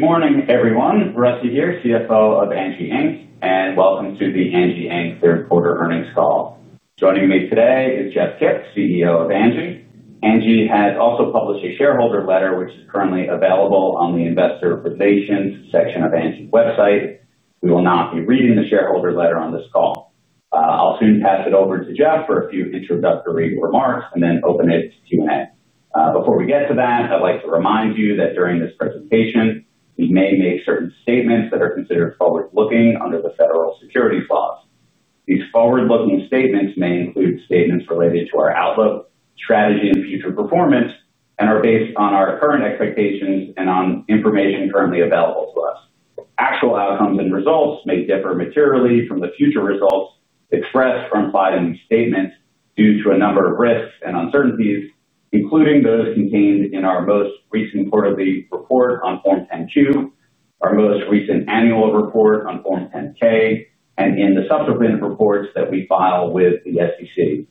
Good morning, everyone. Rusty here, CFO of Angi Inc, and welcome to the Angi Third-Quarter earnings call. Joining me today is Jeff Kip, CEO of Angi. Angi has also published a shareholder letter, which is currently available on the investor relations section of Angi's website. We will not be reading the shareholder letter on this call. I'll soon pass it over to Jeff for a few introductory remarks and then open it to Q&A. Before we get to that, I'd like to remind you that during this presentation, we may make certain statements that are considered forward-looking under the federal securities laws. These forward-looking statements may include statements related to our outlook, strategy, and future performance, and are based on our current expectations and on information currently available to us. Actual outcomes and results may differ materially from the future results expressed or implied in these statements due to a number of risks and uncertainties, including those contained in our most recent quarterly report on Form 10-Q, our most recent annual report on Form 10-K, and in the subsequent reports that we file with the SEC.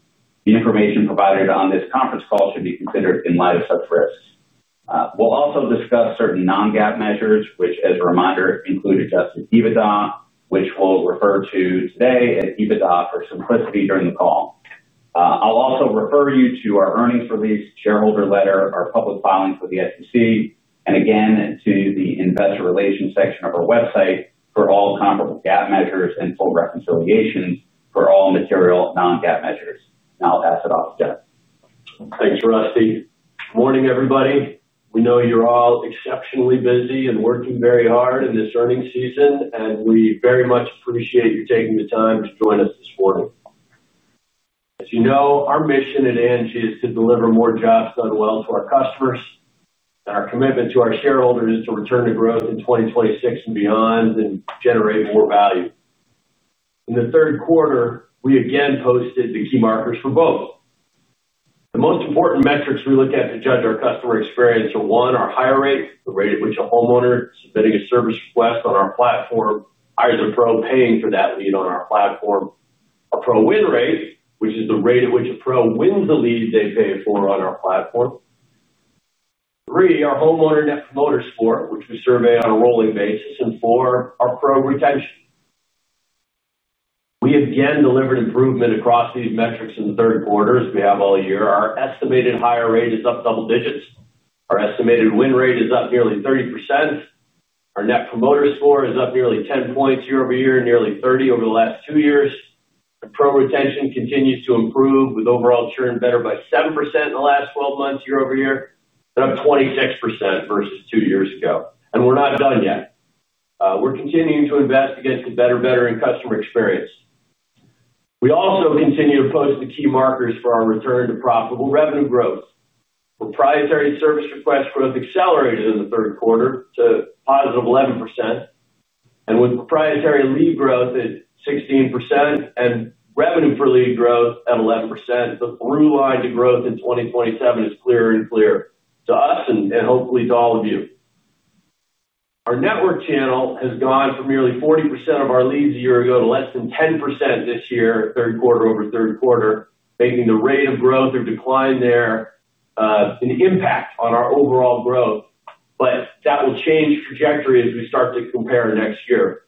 The information provided on this conference call should be considered in light of such risks. We'll also discuss certain non-GAAP measures, which, as a reminder, include adjusted EBITDA, which we'll refer to today as EBITDA for simplicity during the call. I'll also refer you to our earnings release, shareholder letter, our public filing for the SEC, and again, to the investor relations section of our website for all comparable GAAP measures and full reconciliation for all material non-GAAP measures. Now I'll pass it off to Jeff. Thanks, Rusty. Good morning, everybody. We know you're all exceptionally busy and working very hard in this earnings season, and we very much appreciate you taking the time to join us this morning. As you know, our mission at Angi is to deliver more jobs done well to our customers, and our commitment to our shareholders is to return to growth in 2026 and beyond and generate more value. In the third quarter, we again posted the key markers for both. The most important metrics we look at to judge our customer experience are, one, our hire rate, the rate at which a homeowner submitting a service request on our platform hires a pro paying for that lead on our platform. Our pro win rate, which is the rate at which a pro wins the lead they pay for on our platform. Three, our homeowner net promoter score, which we survey on a rolling basis. Four, our Pro retention. We again delivered improvement across these metrics in the third quarter as we have all year. Our estimated hire rate is up double digits. Our estimated win rate is up nearly 30%. Our net promoter score is up nearly 10 points year-over-year, nearly 30 over the last two years. Our Pro retention continues to improve, with overall churn better by 7% in the last 12 months year-over-year, and up 26% versus two years ago. We are not done yet. We are continuing to invest against a better, better customer experience. We also continue to post the key markers for our return to profitable revenue growth. Proprietary service request growth accelerated in the third quarter to positive 11%. With proprietary lead growth at 16% and revenue for lead growth at 11%, the through line to growth in 2027 is clearer and clearer to us and hopefully to all of you. Our network channel has gone from nearly 40% of our leads a year ago to less than 10% this year, third quarter over third quarter, making the rate of growth or decline there an impact on our overall growth, but that will change trajectory as we start to compare next year.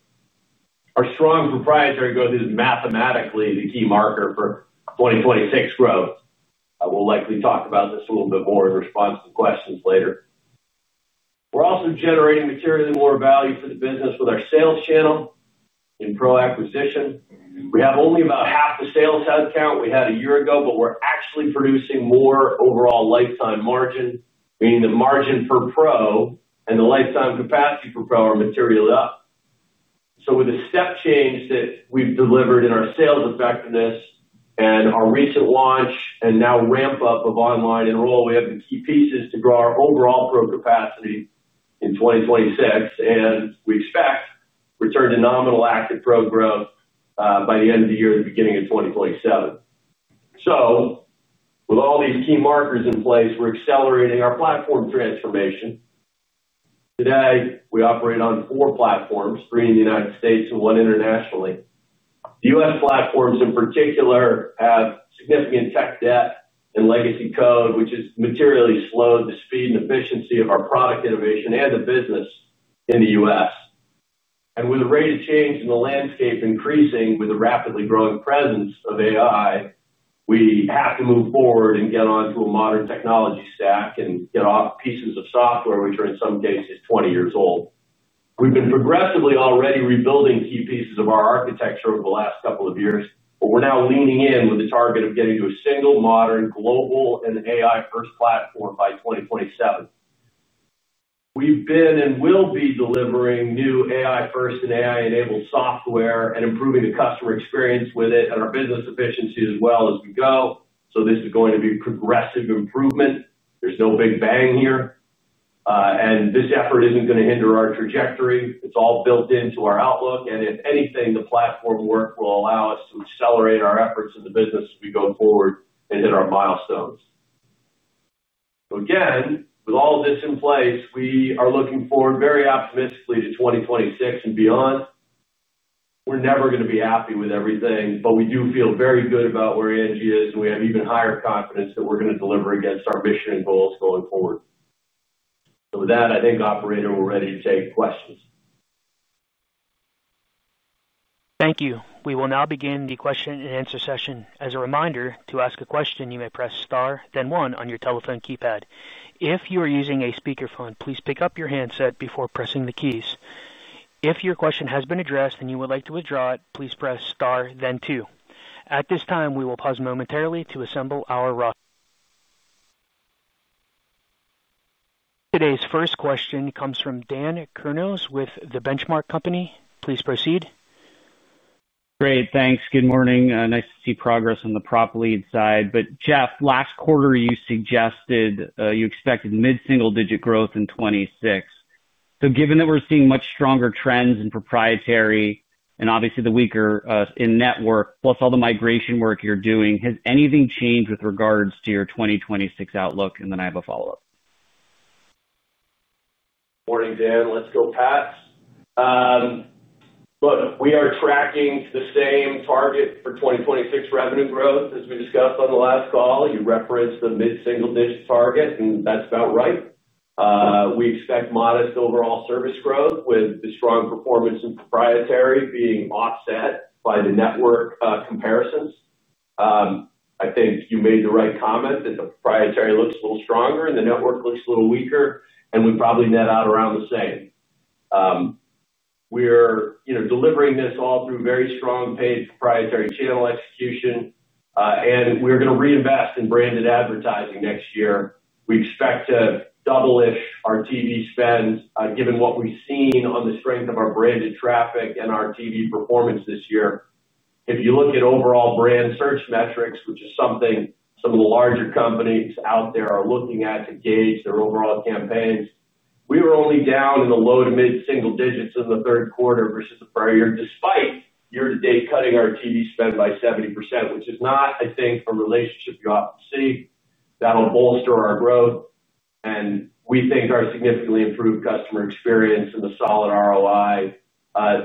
Our strong proprietary growth is mathematically the key marker for 2026 growth. We'll likely talk about this a little bit more in response to questions later. We're also generating materially more value for the business with our sales channel in pro acquisition. We have only about half the sales headcount we had a year ago, but we're actually producing more overall lifetime margin, meaning the margin per pro and the lifetime capacity per pro are materially up. With the step change that we've delivered in our sales effectiveness and our recent launch and now ramp-up of online enroll, we have the key pieces to grow our overall pro capacity in 2026, and we expect return to nominal active pro growth by the end of the year and the beginning of 2027. With all these key markers in place, we're accelerating our platform transformation. Today, we operate on four platforms, three in the U.S. and one internationally. The U.S. platforms, in particular, have significant tech debt and legacy code, which has materially slowed the speed and efficiency of our product innovation and the business in the U.S. With the rate of change in the landscape increasing, with the rapidly growing presence of AI, we have to move forward and get onto a modern technology stack and get off pieces of software which are in some cases 20 years old. We've been progressively already rebuilding key pieces of our architecture over the last couple of years, but we're now leaning in with the target of getting to a single modern global and AI-first platform by 2027. We've been and will be delivering new AI-first and AI-enabled software and improving the customer experience with it and our business efficiency as well as we go. This is going to be progressive improvement. There's no big bang here. This effort isn't going to hinder our trajectory. It's all built into our outlook. If anything, the platform work will allow us to accelerate our efforts in the business as we go forward and hit our milestones. Again, with all of this in place, we are looking forward very optimistically to 2026 and beyond. We are never going to be happy with everything, but we do feel very good about where Angi is, and we have even higher confidence that we are going to deliver against our mission and goals going forward. With that, I think, operator, we are ready to take questions. Thank you. We will now begin the question-and-answer session. As a reminder, to ask a question, you may press star, then one on your telephone keypad. If you are using a speakerphone, please pick up your handset before pressing the keys. If your question has been addressed and you would like to withdraw it, please press star, then two. At this time, we will pause momentarily to assemble our roster. Today's first question comes from Dan Kurnos with the Benchmark Company. Please proceed. Great. Thanks. Good morning. Nice to see progress on the prop lead side. Jeff, last quarter, you suggested you expected mid-single-digit growth in 2026. Given that we're seeing much stronger trends in proprietary and obviously the weaker in network, plus all the migration work you're doing, has anything changed with regards to your 2026 outlook? I have a follow-up. Morning, Dan. Let's go Pats. Look, we are tracking the same target for 2026 revenue growth as we discussed on the last call. You referenced the mid-single-digit target, and that's about right. We expect modest overall service growth, with the strong performance in proprietary being offset by the network comparisons. I think you made the right comment that the proprietary looks a little stronger and the network looks a little weaker, and we probably net out around the same. We're delivering this all through very strong paid proprietary channel execution, and we're going to reinvest in branded advertising next year. We expect to double-ish our TV spend, given what we've seen on the strength of our branded traffic and our TV performance this year. If you look at overall brand search metrics, which is something some of the larger companies out there are looking at to gauge their overall campaigns, we were only down in the low to mid-single digits in the third quarter versus the prior year, despite year-to-date cutting our TV spend by 70%, which is not, I think, a relationship you often see that'll bolster our growth. We think our significantly improved customer experience and the solid ROI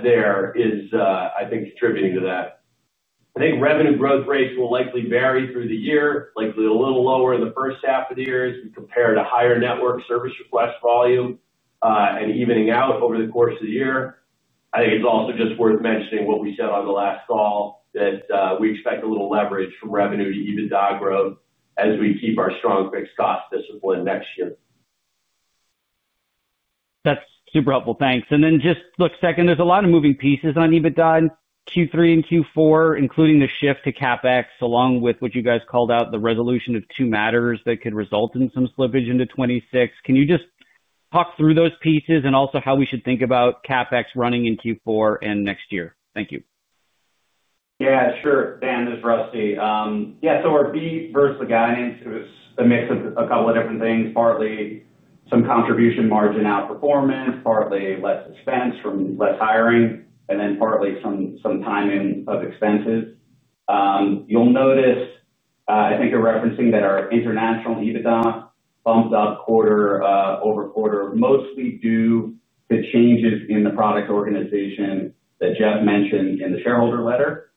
there is, I think, contributing to that. I think revenue growth rates will likely vary through the year, likely a little lower in the first half of the year as we compare to higher network service request volume and evening out over the course of the year. I think it's also just worth mentioning what we said on the last call, that we expect a little leverage from revenue to EBITDA growth as we keep our strong fixed cost discipline next year. That's super helpful. Thanks. Look, second, there's a lot of moving pieces on EBITDA in Q3 and Q4, including the shift to CapEx, along with what you guys called out, the resolution of two matters that could result in some slippage into 2026. Can you just talk through those pieces and also how we should think about CapEx running in Q4 and next year? Thank you. Yeah, sure. Dan, this is Rusty. Yeah, so our EBITDA versus the guidance, it was a mix of a couple of different things, partly some contribution margin outperformance, partly less expense from less hiring, and then partly some timing of expenses. You'll notice, I think you're referencing that our international EBITDA bumped up quarter over quarter, mostly due to changes in the product organization that Jeff mentioned in the shareholder letter.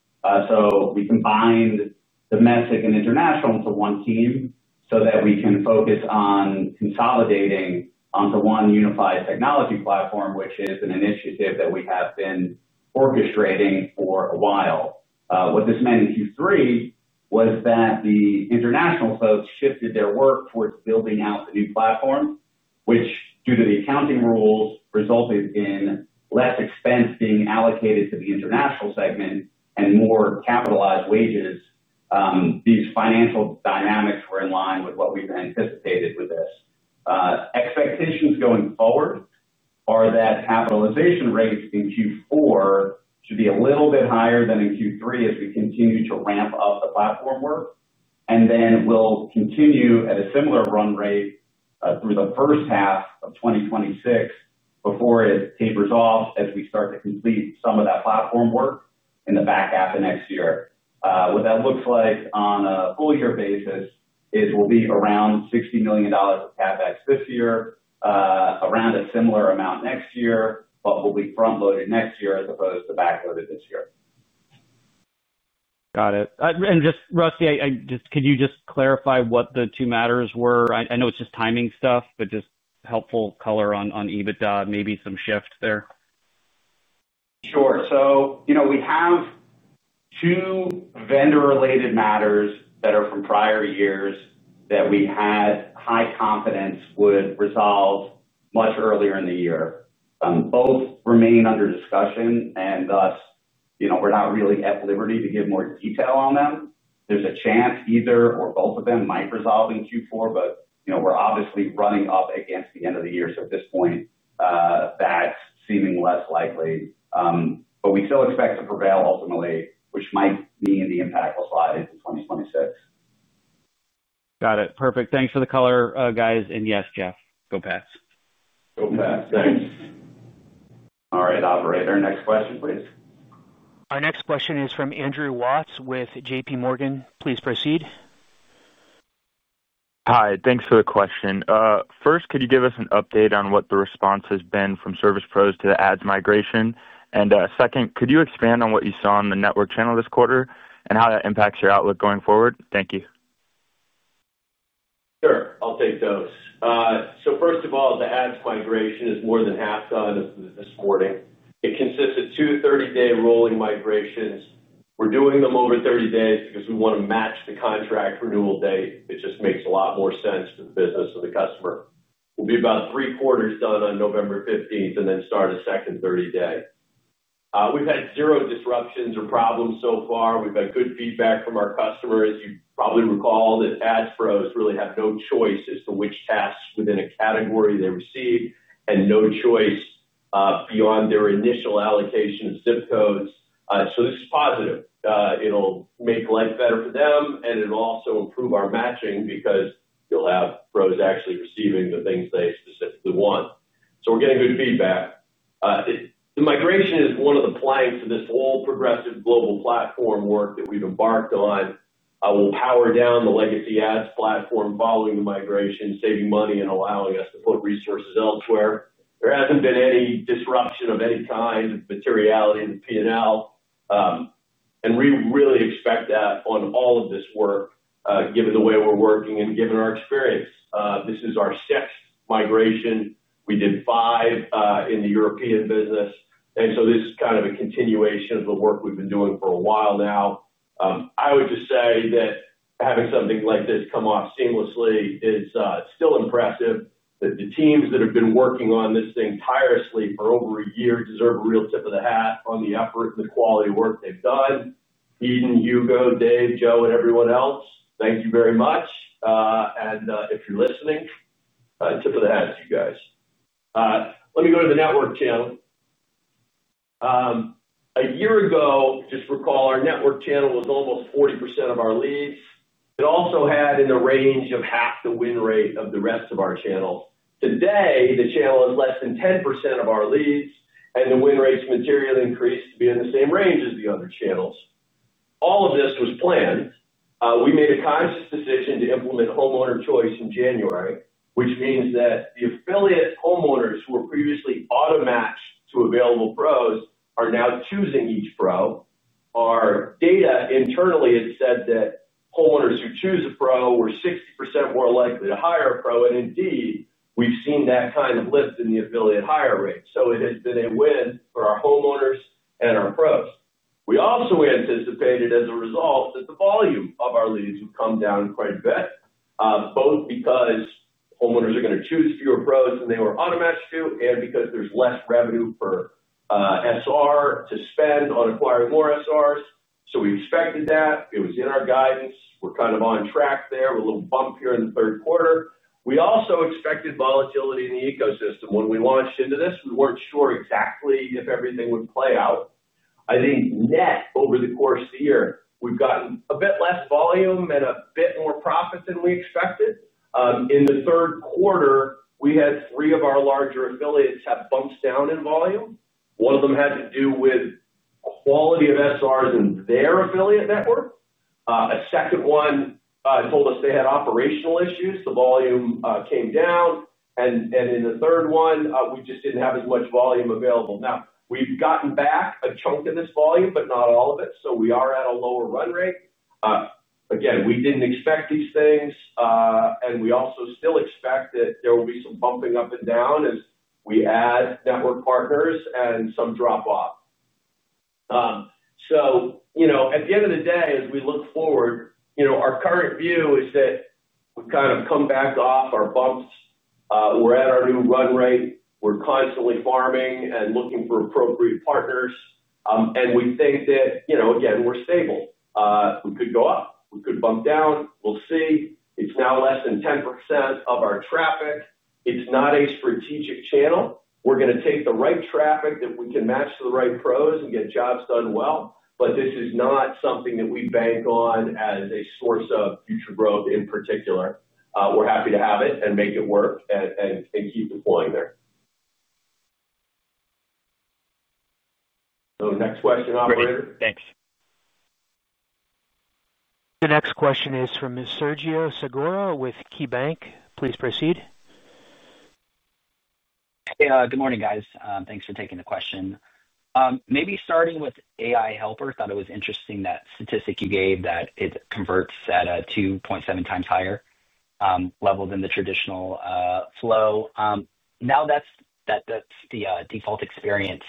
We combined domestic and international into one team so that we can focus on consolidating onto one unified technology platform, which is an initiative that we have been orchestrating for a while. What this meant in Q3 was that the international folks shifted their work towards building out the new platform, which, due to the accounting rules, resulted in less expense being allocated to the international segment and more capitalized wages. These financial dynamics were in line with what we've anticipated with this. Expectations going forward are that capitalization rates in Q4 should be a little bit higher than in Q3 as we continue to ramp up the platform work. We will continue at a similar run rate through the first half of 2026 before it tapers off as we start to complete some of that platform work in the back half of next year. What that looks like on a full-year basis is we'll be around $60 million of CapEx this year, around a similar amount next year, but we'll be front-loaded next year as opposed to back-loaded this year. Got it. Rusty, could you just clarify what the two matters were? I know it's just timing stuff, but just helpful color on EBITDA, maybe some shift there. Sure. So we have two vendor-related matters that are from prior years that we had high confidence would resolve much earlier in the year. Both remain under discussion, and thus we're not really at liberty to give more detail on them. There's a chance either or both of them might resolve in Q4, but we're obviously running up against the end of the year. At this point, that's seeming less likely. We still expect to prevail ultimately, which might mean the impact will slide into 2026. Got it. Perfect. Thanks for the color, guys. And yes, Jeff, go Pats. Go Pats. Thanks. All right, operator. Next question, please. Our next question is from Andrew Watts with JPMorgan. Please proceed. Hi. Thanks for the question. First, could you give us an update on what the response has been from service pros to the ads migration? Second, could you expand on what you saw on the network channel this quarter and how that impacts your outlook going forward? Thank you. Sure. I'll take those. First of all, the ads migration is more than half done this morning. It consists of two 30-day rolling migrations. We're doing them over 30 days because we want to match the contract renewal date. It just makes a lot more sense for the business and the customer. We'll be about three quarters done on November 15th and then start a second 30-day. We've had zero disruptions or problems so far. We've had good feedback from our customers. You probably recall that ads pros really have no choice as to which tasks within a category they receive and no choice beyond their initial allocation of zip codes. This is positive. It'll make life better for them, and it'll also improve our matching because you'll have pros actually receiving the things they specifically want. We're getting good feedback. The migration is one of the planks of this whole progressive global platform work that we've embarked on. We'll power down the legacy Ads Platform following the migration, saving money and allowing us to put resources elsewhere. There hasn't been any disruption of any kind of materiality in the P&L. We really expect that on all of this work, given the way we're working and given our experience. This is our sixth migration. We did five in the European business. This is kind of a continuation of the work we've been doing for a while now. I would just say that having something like this come off seamlessly is still impressive. The teams that have been working on this thing tirelessly for over a year deserve a real tip of the hat on the effort and the quality of work they've done. Eden, Hugo, Dave, Joe, and everyone else, thank you very much. If you're listening, tip of the hat to you guys. Let me go to the network channel. A year ago, just recall, our network channel was almost 40% of our leads. It also had in the range of half the win rate of the rest of our channels. Today, the channel is less than 10% of our leads, and the win rate's material increase to be in the same range as the other channels. All of this was planned. We made a conscious decision to implement homeowner choice in January, which means that the affiliate homeowners who were previously automatched to available pros are now choosing each pro. Our data internally had said that homeowners who choose a pro were 60% more likely to hire a pro. Indeed, we've seen that kind of lift in the affiliate hire rate. It has been a win for our homeowners and our pros. We also anticipated, as a result, that the volume of our leads would come down quite a bit, both because homeowners are going to choose fewer pros than they were automatched to and because there's less revenue for SR to spend on acquiring more SRs. We expected that. It was in our guidance. We're kind of on track there with a little bump here in the third quarter. We also expected volatility in the ecosystem. When we launched into this, we weren't sure exactly if everything would play out. I think net, over the course of the year, we've gotten a bit less volume and a bit more profit than we expected. In the third quarter, we had three of our larger affiliates have bumps down in volume. One of them had to do with quality of SRs in their affiliate network. A second one told us they had operational issues. The volume came down. In the third one, we just did not have as much volume available. Now, we have gotten back a chunk of this volume, but not all of it. We are at a lower run rate. Again, we did not expect these things, and we also still expect that there will be some bumping up and down as we add network partners and some drop-off. At the end of the day, as we look forward, our current view is that we have kind of come back off our bumps. We are at our new run rate. We are constantly farming and looking for appropriate partners. We think that, again, we're stable. We could go up. We could bump down. We'll see. It's now less than 10% of our traffic. It's not a strategic channel. We're going to take the right traffic that we can match to the right pros and get jobs done well. This is not something that we bank on as a source of future growth in particular. We're happy to have it and make it work and keep deploying there. Next question, operator. Thanks. The next question is from Sergio Segura with KeyBanc. Please proceed. Hey, good morning, guys. Thanks for taking the question. Maybe starting with AI Helper. Thought it was interesting that statistic you gave that it converts at a 2.7 times higher level than the traditional flow. Now that's the default experience.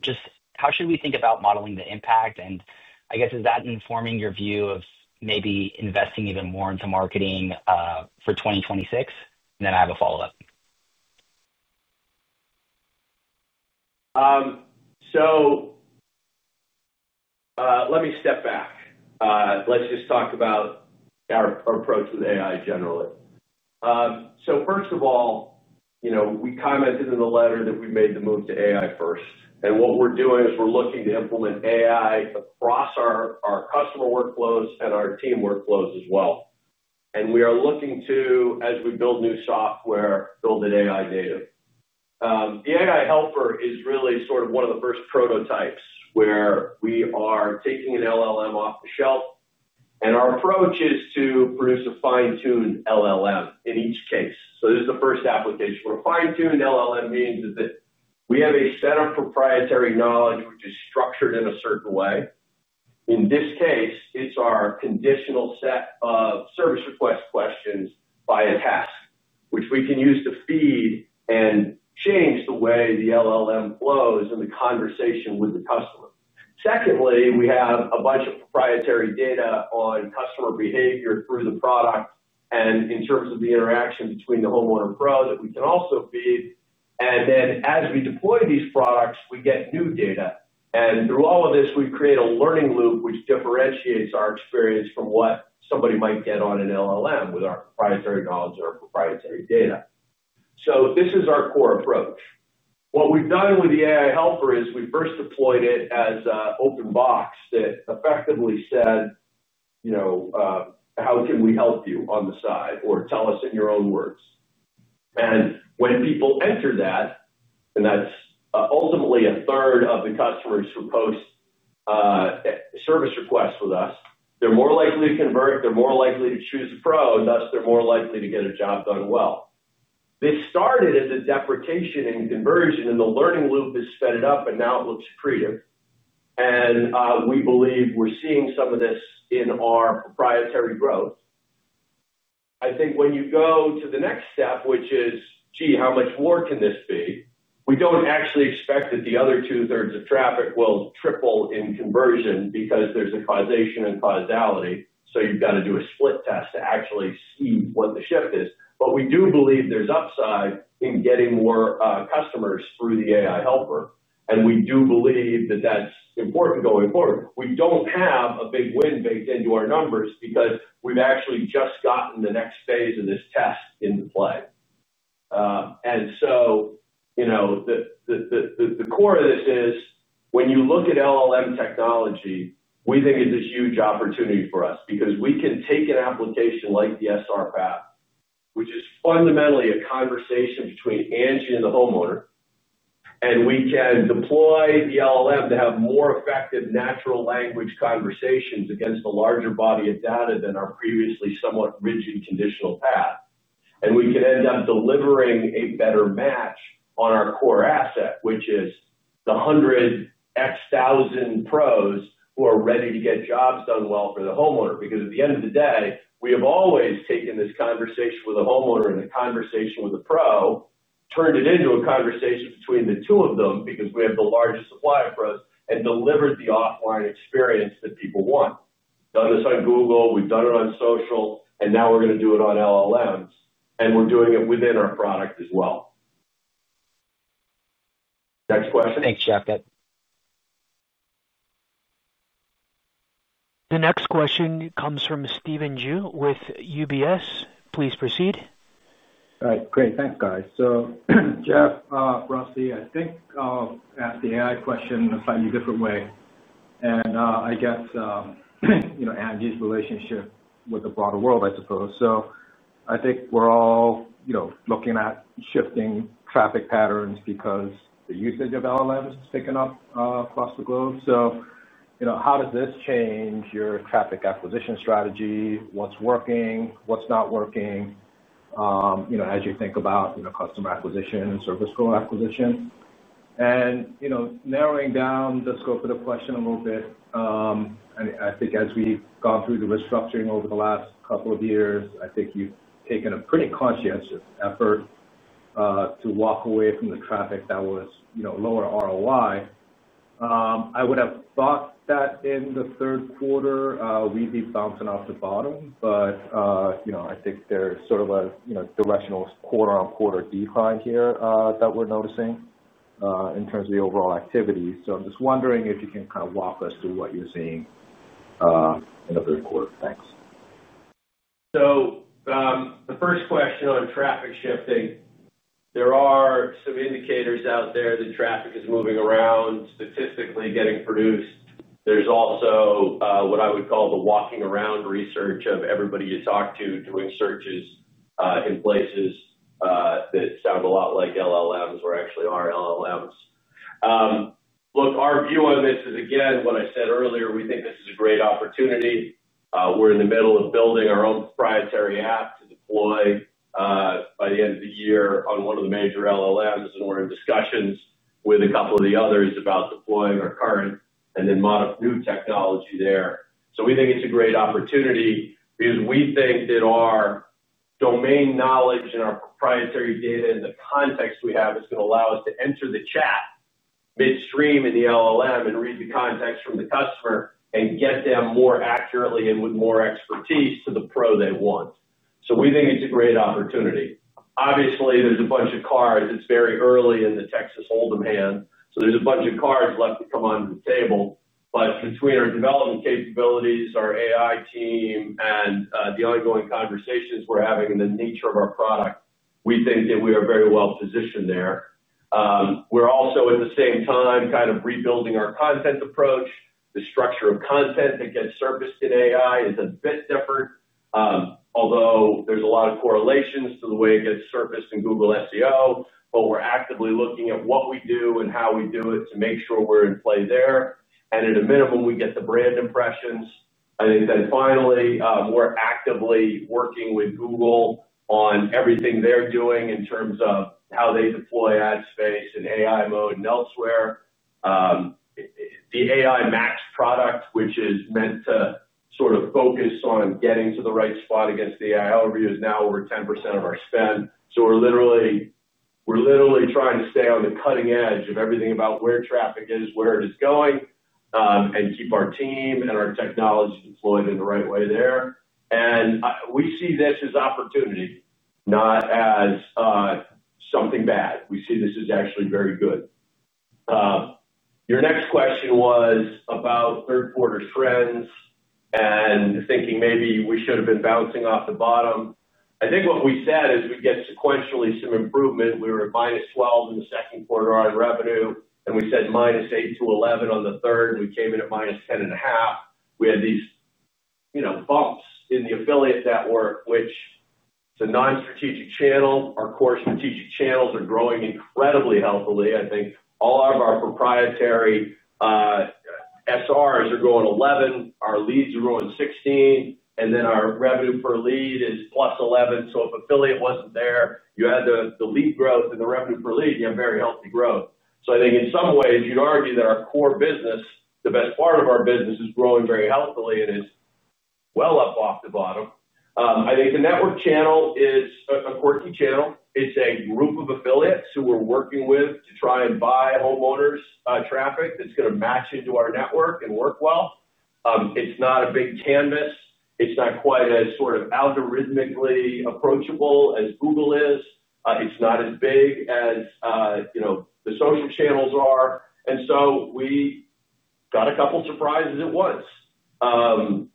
Just how should we think about modeling the impact? I guess, is that informing your view of maybe investing even more into marketing for 2026? I have a follow-up. Let me step back. Let's just talk about our approach with AI generally. First of all, we commented in the letter that we've made the move to AI first. What we're doing is we're looking to implement AI across our customer workflows and our team workflows as well. We are looking to, as we build new software, build it AI native. The AI Helper is really sort of one of the first prototypes where we are taking an LLM off the shelf. Our approach is to produce a fine-tuned LLM in each case. This is the first application. What a fine-tuned LLM means is that we have a set of proprietary knowledge, which is structured in a certain way. In this case, it's our conditional set of service request questions by a task, which we can use to feed and change the way the LLM flows and the conversation with the customer. Secondly, we have a bunch of proprietary data on customer behavior through the product and in terms of the interaction between the homeowner pro that we can also feed. As we deploy these products, we get new data. Through all of this, we create a learning loop, which differentiates our experience from what somebody might get on an LLM with our proprietary knowledge or our proprietary data. This is our core approach. What we've done with the AI Helper is we first deployed it as an open box that effectively said, "How can we help you on the side?" or "Tell us in your own words." When people enter that. That's ultimately a third of the customers who post service requests with us, they're more likely to convert. They're more likely to choose a pro. Thus, they're more likely to get a job done well. This started as a deprecation and conversion, and the learning loop has sped it up, and now it looks creative. We believe we're seeing some of this in our proprietary growth. I think when you go to the next step, which is, "Gee, how much more can this be?" We don't actually expect that the other two-thirds of traffic will triple in conversion because there's a causation and causality. You've got to do a split test to actually see what the shift is. We do believe there's upside in getting more customers through the AI Helper. We do believe that that's important going forward. We don't have a big win baked into our numbers because we've actually just gotten the next phase of this test into play. The core of this is, when you look at LLM technology, we think it's a huge opportunity for us because we can take an application like the SR path, which is fundamentally a conversation between Angi and the homeowner. We can deploy the LLM to have more effective natural language conversations against a larger body of data than our previously somewhat rigid conditional path. We can end up delivering a better match on our core asset, which is the hundred X thousand pros who are ready to get jobs done well for the homeowner. Because at the end of the day, we have always taken this conversation with a homeowner and the conversation with a pro, turned it into a conversation between the two of them because we have the largest supply of pros and delivered the offline experience that people want. We have done this on Google. We have done it on social. Now we are going to do it on LLMs. We are doing it within our product as well. Next question. Thanks, Jeff. The next question comes from Stephen Ju with UBS. Please proceed. All right. Great. Thanks, guys. So, Jeff, Rusty, I think I'll ask the AI question in a slightly different way. And I guess Angi's relationship with the broader world, I suppose. I think we're all looking at shifting traffic patterns because the usage of LLMs is picking up across the globe. How does this change your traffic acquisition strategy? What's working? What's not working? As you think about customer acquisition and service pro acquisition. Narrowing down the scope of the question a little bit, I think as we've gone through the restructuring over the last couple of years, I think you've taken a pretty conscientious effort to walk away from the traffic that was lower ROI. I would have thought that in the third quarter, we'd be bouncing off the bottom. I think there's sort of a directional quarter-on-quarter decline here that we're noticing. In terms of the overall activity, I'm just wondering if you can kind of walk us through what you're seeing in the third quarter. Thanks. The first question on traffic shifting. There are some indicators out there that traffic is moving around, statistically getting produced. There is also what I would call the walking-around research of everybody you talk to doing searches in places. That sound a lot like LLMs or actually are LLMs. Look, our view on this is, again, what I said earlier. We think this is a great opportunity. We are in the middle of building our own proprietary app to deploy. By the end of the year on one of the major LLMs. We are in discussions with a couple of the others about deploying our current and then modifying new technology there. We think it's a great opportunity because we think that our domain knowledge and our proprietary data and the context we have is going to allow us to enter the chat midstream in the LLM and read the context from the customer and get them more accurately and with more expertise to the pro they want. We think it's a great opportunity. Obviously, there's a bunch of cards. It's very early in the Texas Hold'em hand. There's a bunch of cards left to come onto the table. Between our development capabilities, our AI team, and the ongoing conversations we're having and the nature of our product, we think that we are very well positioned there. We're also, at the same time, kind of rebuilding our content approach. The structure of content that gets surfaced in AI is a bit different. Although there is a lot of correlations to the way it gets surfaced in Google SEO, we are actively looking at what we do and how we do it to make sure we are in play there. At a minimum, we get the brand impressions. I think then finally, we are actively working with Google on everything they are doing in terms of how they deploy ad space and AI mode and elsewhere. The AI Max product, which is meant to sort of focus on getting to the right spot against the AI overview, is now over 10% of our spend. We are literally trying to stay on the cutting edge of everything about where traffic is, where it is going, and keep our team and our technology deployed in the right way there. We see this as opportunity, not as something bad. We see this as actually very good. Your next question was about third-quarter trends and thinking maybe we should have been bouncing off the bottom. I think what we said is we get sequentially some improvement. We were at minus 12% in the second quarter on revenue, and we said minus 8%-11% on the third, and we came in at minus 10.5%. We had these bumps in the affiliate network, which is a non-strategic channel. Our core strategic channels are growing incredibly healthily. I think all of our proprietary SRs are going 11%. Our leads are going 16%. And then our revenue per lead is plus 11%. If affiliate was not there, you had the lead growth and the revenue per lead, you have very healthy growth. I think in some ways, you'd argue that our core business, the best part of our business, is growing very healthily and is well up off the bottom. I think the network channel is a quirky channel. It's a group of affiliates who we're working with to try and buy homeowners' traffic that's going to match into our network and work well. It's not a big canvas. It's not quite as sort of algorithmically approachable as Google is. It's not as big as the social channels are. We got a couple of surprises at once.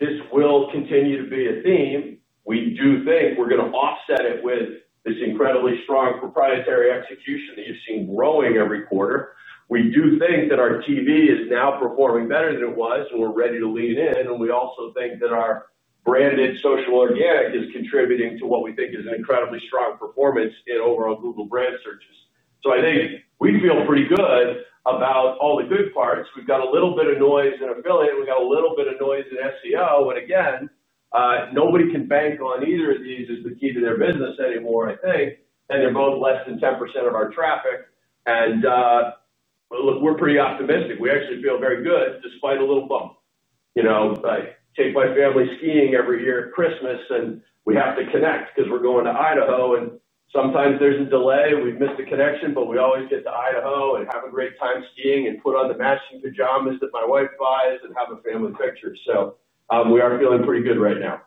This will continue to be a theme. We do think we're going to offset it with this incredibly strong proprietary execution that you've seen growing every quarter. We do think that our TV is now performing better than it was, and we're ready to lean in. We also think that our branded social organic is contributing to what we think is an incredibly strong performance in overall Google brand searches. I think we feel pretty good about all the good parts. We've got a little bit of noise in affiliate. We've got a little bit of noise in SEO. Again, nobody can bank on either of these as the key to their business anymore, I think. They're both less than 10% of our traffic. Look, we're pretty optimistic. We actually feel very good despite a little bump. I take my family skiing every year at Christmas, and we have to connect because we're going to Idaho. Sometimes there's a delay. We've missed a connection, but we always get to Idaho and have a great time skiing and put on the matching pajamas that my wife buys and have a family picture. We are feeling pretty good right now.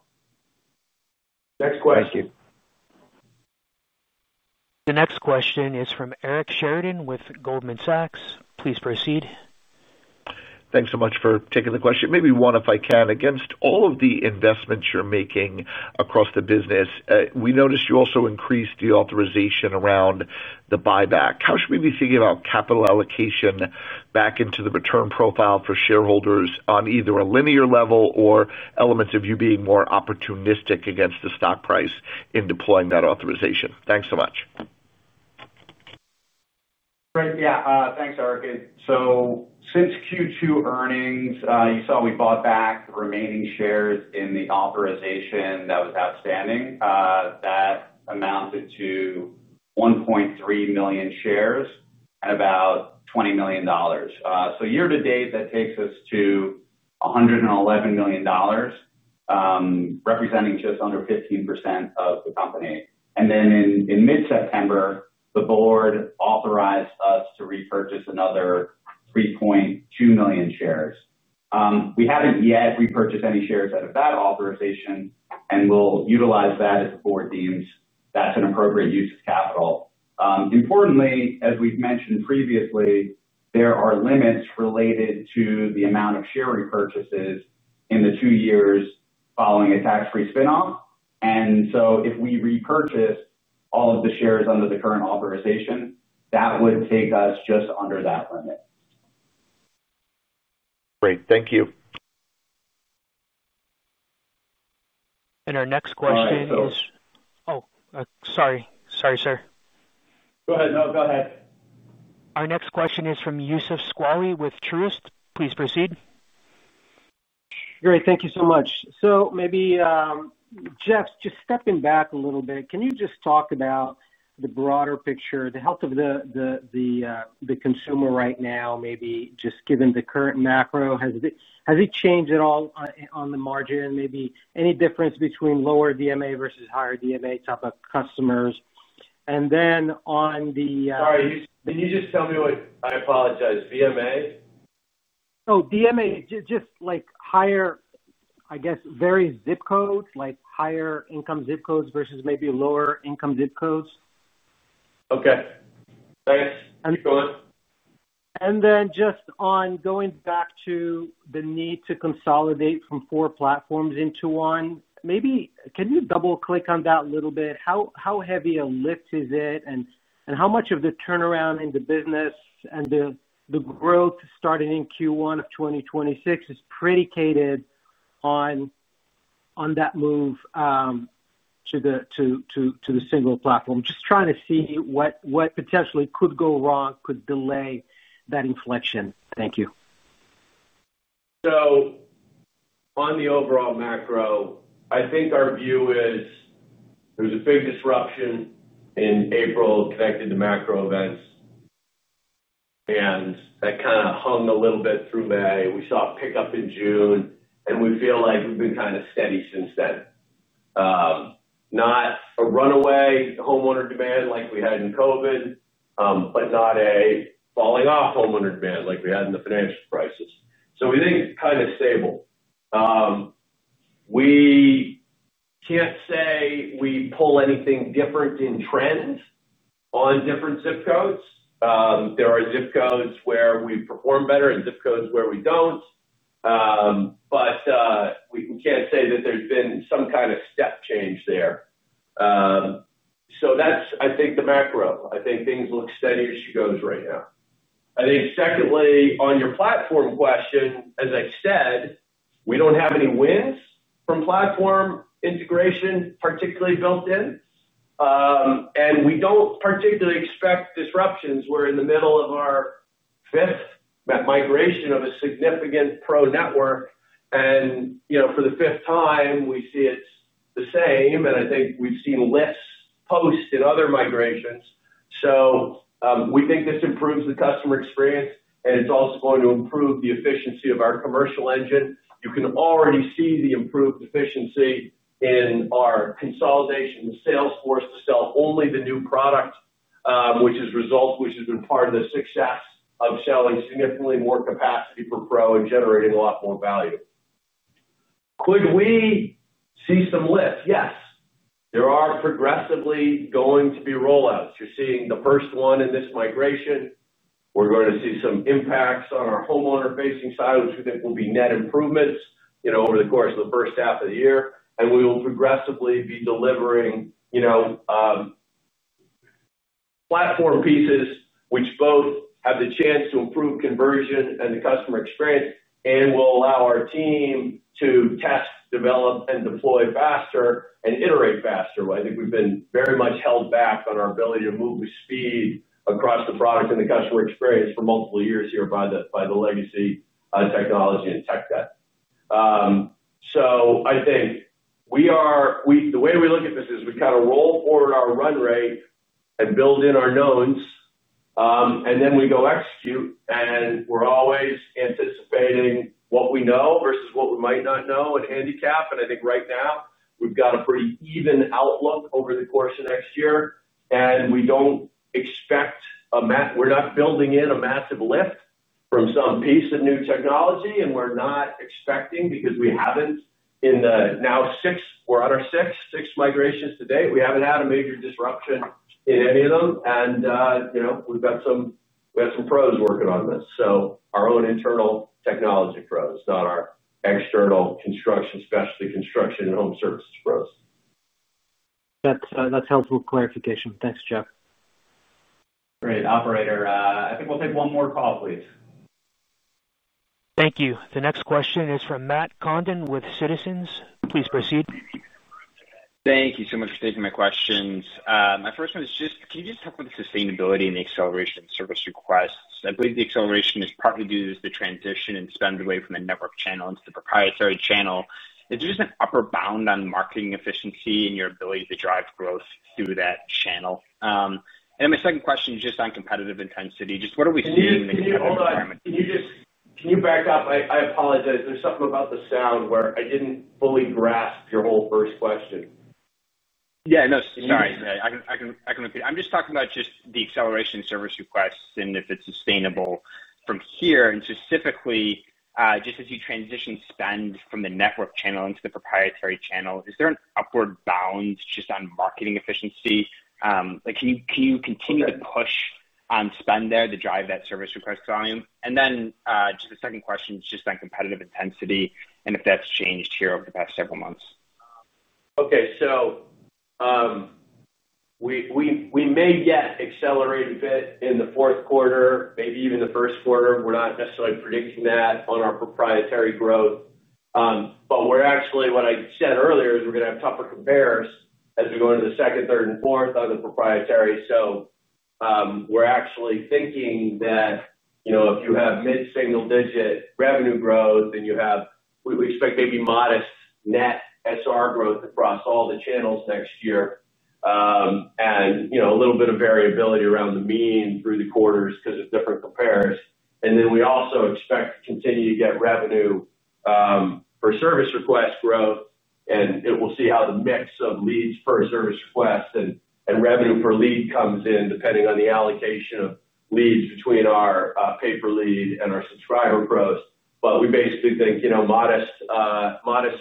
Next question. Thank you. The next question is from Eric Sheridan with Goldman Sachs. Please proceed. Thanks so much for taking the question. Maybe one, if I can. Against all of the investments you're making across the business, we noticed you also increased the authorization around the buyback. How should we be thinking about capital allocation back into the return profile for shareholders on either a linear level or elements of you being more opportunistic against the stock price in deploying that authorization? Thanks so much. Great. Yeah. Thanks, Eric. Since Q2 earnings, you saw we bought back the remaining shares in the authorization that was outstanding. That amounted to 1.3 million shares and about $20 million. Year to date, that takes us to $111 million, representing just under 15% of the company. In mid-September, the board authorized us to repurchase another 3.2 million shares. We have not yet repurchased any shares out of that authorization, and we will utilize that as the board deems that is an appropriate use of capital. Importantly, as we have mentioned previously, there are limits related to the amount of share repurchases in the two years following a tax-free spinoff. If we repurchase all of the shares under the current authorization, that would take us just under that limit. Great. Thank you. Our next question is—oh, sorry. Sorry, sir. Go ahead. No, go ahead. Our next question is from Youssef Squali with Truist. Please proceed. Great. Thank you so much. Maybe, Jeff, just stepping back a little bit, can you just talk about the broader picture, the health of the consumer right now, maybe just given the current macro? Has it changed at all on the margin? Maybe any difference between lower DMA versus higher DMA type of customers? And then on the— Sorry. Can you just tell me what—I apologize. DMA? Oh, DMA, just higher, I guess, various zip codes, like higher income zip codes versus maybe lower income zip codes. Okay. Thanks. Keep going. Just on going back to the need to consolidate from four platforms into one, maybe can you double-click on that a little bit? How heavy a lift is it? And how much of the turnaround in the business and the growth starting in Q1 of 2026 is predicated on that move to the single platform? Just trying to see what potentially could go wrong, could delay that inflection. Thank you. On the overall macro, I think our view is there was a big disruption in April connected to macro events. That kind of hung a little bit through May. We saw a pickup in June, and we feel like we've been kind of steady since then. Not a runaway homeowner demand like we had in COVID, but not a falling off homeowner demand like we had in the financial crisis. We think kind of stable. We can't say we pull anything different in trends on different zip codes. There are zip codes where we perform better and zip codes where we do not. We cannot say that there has been some kind of step change there. I think the macro looks steady as she goes right now. I think secondly, on your platform question, as I said, we do not have any wins from platform integration particularly built in. We do not particularly expect disruptions. We are in the middle of our fifth migration of a significant pro network. For the fifth time, we see it is the same. I think we have seen less posts in other migrations. We think this improves the customer experience, and it is also going to improve the efficiency of our commercial engine. You can already see the improved efficiency in our consolidation with Salesforce to sell only the new product, which has been part of the success of selling significantly more capacity for pro and generating a lot more value. Could we see some lift? Yes. There are progressively going to be rollouts. You are seeing the first one in this migration. We're going to see some impacts on our homeowner-facing side, which we think will be net improvements over the course of the first half of the year. We will progressively be delivering platform pieces which both have the chance to improve conversion and the customer experience and will allow our team to test, develop, and deploy faster and iterate faster. I think we've been very much held back on our ability to move with speed across the product and the customer experience for multiple years here by the legacy technology and tech debt. I think the way we look at this is we kind of roll forward our run rate and build in our knowns. Then we go execute. We're always anticipating what we know versus what we might not know and handicap. I think right now, we've got a pretty even outlook over the course of next year. We don't expect a—we're not building in a massive lift from some piece of new technology. We're not expecting because we haven't in the now six—we're on our sixth migrations today. We haven't had a major disruption in any of them. We've got some pros working on this. Our own internal technology pros, not our external construction, especially construction and home services pros. That's helpful clarification. Thanks, Jeff. Great. Operator, I think we'll take one more call, please. Thank you. The next question is from Matt Condon with Citizens. Please proceed. Thank you so much for taking my questions. My first one is just, can you just talk about the sustainability and the acceleration of service requests? I believe the acceleration is partly due to the transition and spend away from the network channel into the proprietary channel. Is there just an upper bound on marketing efficiency and your ability to drive growth through that channel? My second question is just on competitive intensity. Just what are we seeing in the competitive environment? Can you back up? I apologize. There is something about the sound where I did not fully grasp your whole first question. Yeah. No, sorry. I can repeat. I'm just talking about just the acceleration service requests and if it's sustainable from here. Specifically, just as you transition spend from the network channel into the proprietary channel, is there an upward bound just on marketing efficiency? Can you continue to push on spend there to drive that service request volume? The second question is just on competitive intensity and if that's changed here over the past several months. Okay. We may get accelerated a bit in the fourth quarter, maybe even the first quarter. We're not necessarily predicting that on our proprietary growth. What I said earlier is we're going to have tougher compares as we go into the second, third, and fourth on the proprietary. We're actually thinking that if you have mid-single-digit revenue growth, then you have—we expect maybe modest net SR growth across all the channels next year. A little bit of variability around the mean through the quarters because of different compares. We also expect to continue to get revenue for service request growth. We'll see how the mix of leads per service request and revenue per lead comes in depending on the allocation of leads between our paper lead and our subscriber growth. We basically think modest.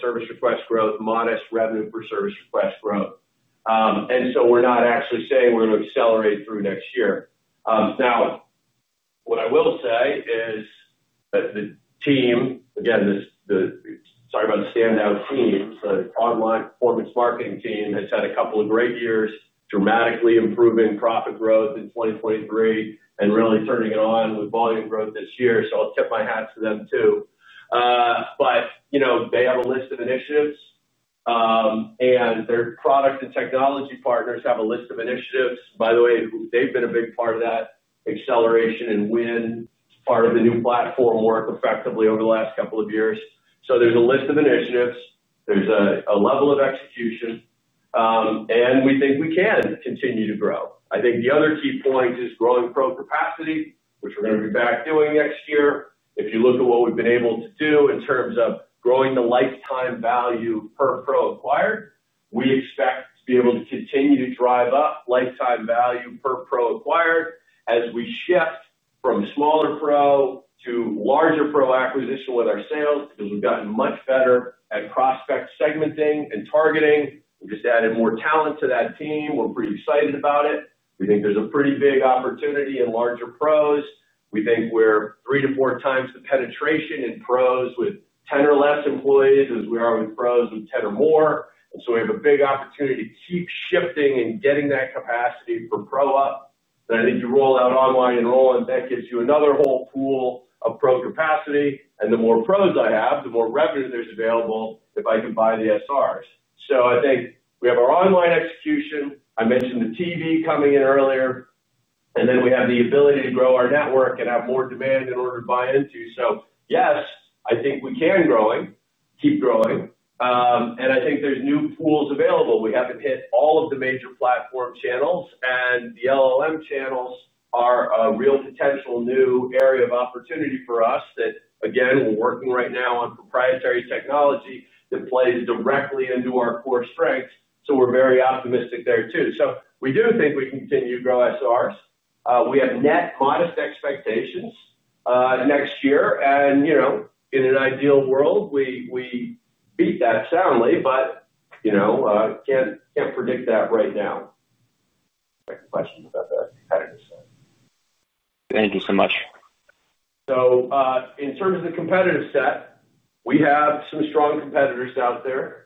Service request growth, modest revenue per service request growth. We are not actually saying we are going to accelerate through next year. Now, what I will say is the team—again, sorry about the standout team—the online performance marketing team has had a couple of great years, dramatically improving profit growth in 2023 and really turning it on with volume growth this year. I will tip my hat to them too. They have a list of initiatives, and their product and technology partners have a list of initiatives. By the way, they have been a big part of that acceleration and win, part of the new platform work effectively over the last couple of years. There is a list of initiatives, there is a level of execution, and we think we can continue to grow. I think the other key point is growing pro capacity, which we're going to be back doing next year. If you look at what we've been able to do in terms of growing the lifetime value per pro acquired, we expect to be able to continue to drive up lifetime value per pro acquired as we shift from smaller pro to larger pro acquisition with our sales because we've gotten much better at prospect segmenting and targeting. We just added more talent to that team. We're pretty excited about it. We think there's a pretty big opportunity in larger pros. We think we're three to four times the penetration in pros with 10 or less employees as we are with pros with 10 or more. We have a big opportunity to keep shifting and getting that capacity for pro up. I think you roll out online and roll in, that gives you another whole pool of pro capacity. The more pros I have, the more revenue there's available if I can buy the SRs. I think we have our online execution. I mentioned the TV coming in earlier. We have the ability to grow our network and have more demand in order to buy into. Yes, I think we can grow, keep growing. I think there's new pools available. We haven't hit all of the major platform channels. The LLM channels are a real potential new area of opportunity for us that, again, we're working right now on proprietary technology that plays directly into our core strengths. We're very optimistic there too. We do think we can continue to grow SRs. We have net modest expectations next year. In an ideal world, we beat that soundly, but can't predict that right now. Questions about the competitive set? Thank you so much. In terms of the competitive set, we have some strong competitors out there.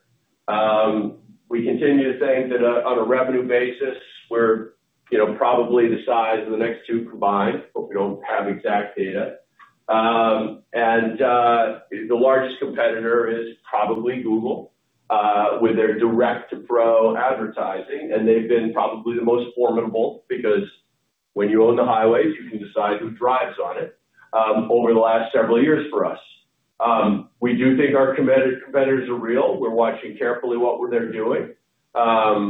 We continue to think that on a revenue basis, we're probably the size of the next two combined. We don't have exact data. The largest competitor is probably Google with their direct-to-pro advertising, and they've been probably the most formidable because when you own the highways, you can decide who drives on it. Over the last several years for us, we do think our competitors are real. We're watching carefully what they're doing. At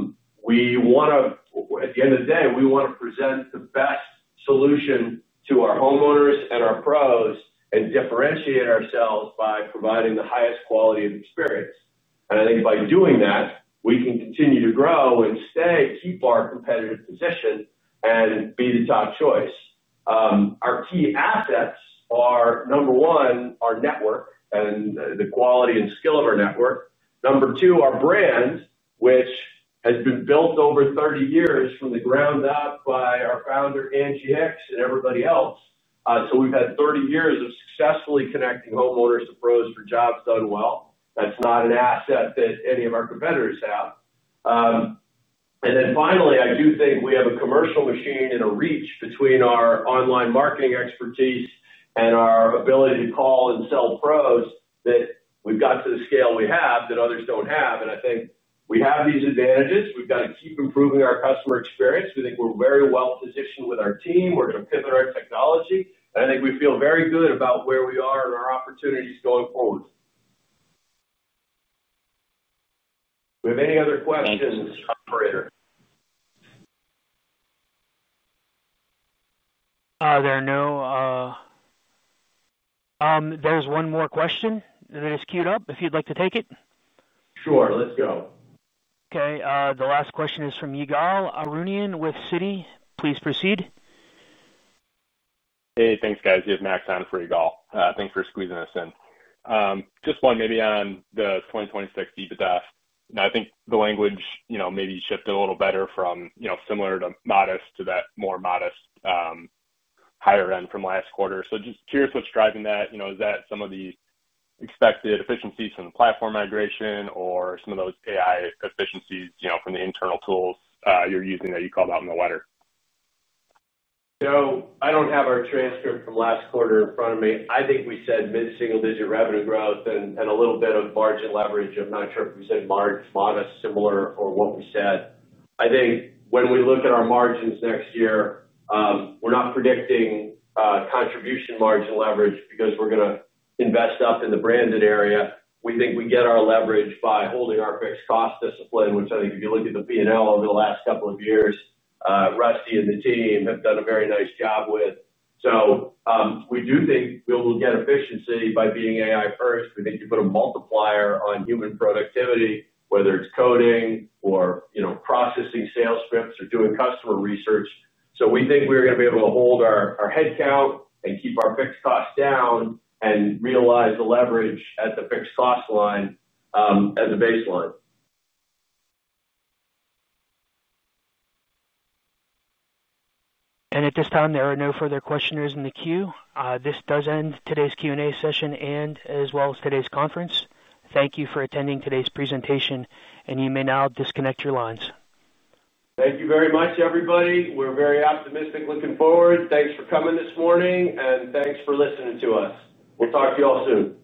the end of the day, we want to present the best solution to our homeowners and our pros and differentiate ourselves by providing the highest quality of experience. I think by doing that, we can continue to grow and keep our competitive position and be the top choice. Our key assets are, number one, our network and the quality and skill of our network. Number two, our brand, which has been built over 30 years from the ground up by our founder, Angie Hicks, and everybody else. We have had 30 years of successfully connecting homeowners to pros for jobs done well. That is not an asset that any of our competitors have. Finally, I do think we have a commercial machine and a reach between our online marketing expertise and our ability to call and sell pros that we have got to the scale we have that others do not have. I think we have these advantages. We have got to keep improving our customer experience. We think we are very well positioned with our team. We are going to pivot our technology. I think we feel very good about where we are and our opportunities going forward. Do we have any other questions, Operator? There are no. There is one more question that is queued up if you'd like to take it. Sure. Let's go. Okay. The last question is from Ygal Arounian with Citi. Please proceed. Hey, thanks, guys. Yes, Max on for Ygal. Thanks for squeezing us in. Just one maybe on the 2026 deepest ask. And I think the language maybe shifted a little better from similar to modest to that more modest. Higher end from last quarter. So just curious what's driving that. Is that some of the expected efficiencies from the platform migration or some of those AI efficiencies from the internal tools you're using that you called out in the letter? I do not have our transcript from last quarter in front of me. I think we said mid-single-digit revenue growth and a little bit of margin leverage. I am not sure if we said large, modest, similar, or what we said. I think when we look at our margins next year, we are not predicting contribution margin leverage because we are going to invest up in the branded area. We think we get our leverage by holding our fixed cost discipline, which I think if you look at the P&L over the last couple of years, Rusty and the team have done a very nice job with. We do think we will get efficiency by being AI first. We think you put a multiplier on human productivity, whether it is coding or processing sales scripts or doing customer research. So we think we're going to be able to hold our headcount and keep our fixed costs down and realize the leverage at the fixed cost line. As a baseline. At this time, there are no further questioners in the queue. This does end today's Q&A session as well as today's conference. Thank you for attending today's presentation. You may now disconnect your lines. Thank you very much, everybody. We're very optimistic looking forward. Thanks for coming this morning. Thanks for listening to us. We'll talk to you all soon.